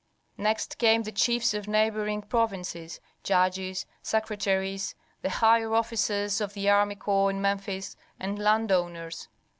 Next came the chiefs of neighboring provinces, judges, secretaries, the higher officers of the army corps in Memphis, and landowners.